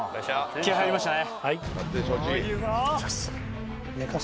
気合い入りましたね